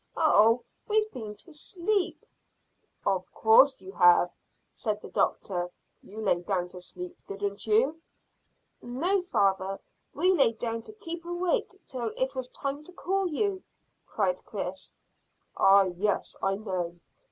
"Oh! We've been to sleep." "Of course you have," said the doctor. "You lay down to sleep, didn't you?" "No, father; we lay down to keep awake till it was time to call you," cried Chris. "Ah, yes, I know.